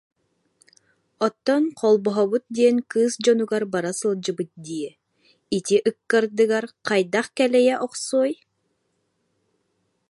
Оттон холбоһобут диэн кыыс дьонугар бара сылдьыбыт дии, ити ыккардыгар хайдах кэлэйэ охсуой